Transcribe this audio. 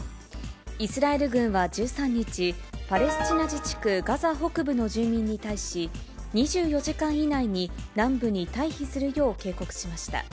イスラエル軍は１３日、パレスチナ自治区ガザ北部の住民に対し、２４時間以内に南部に退避するよう警告しました。